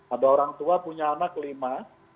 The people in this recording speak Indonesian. ada orang tua punya anak lima